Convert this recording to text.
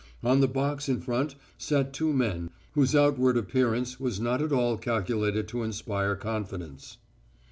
On the box in front sat two men, whose out ward appearance was not at all calculated to inspire confidence.